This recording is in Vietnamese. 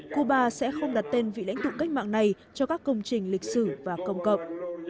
cuba sẽ không đặt tên vị lãnh tụ cách mạng này cho các công trình lịch sử và công cộng